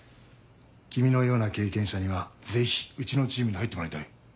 君のような経験者にはぜひうちのチームに入ってもらいたい。